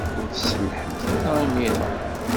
Ur tsellḥemt ara imir-a.